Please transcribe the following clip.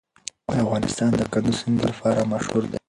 افغانستان د کندز سیند لپاره مشهور دی.